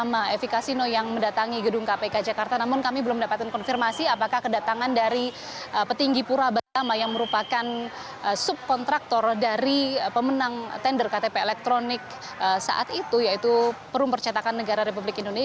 setia novanto dan juga istrinya yang hari ini diperiksa siapa lagi yang akan dijadwalkan diperiksa pada hari ini